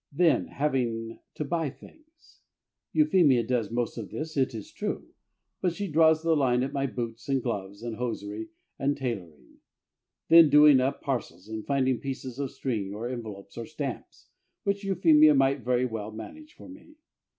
Then, having to buy things. Euphemia does most of this, it is true, but she draws the line at my boots and gloves and hosiery and tailoring. Then, doing up parcels and finding pieces of string or envelopes or stamps which Euphemia might very well manage for me.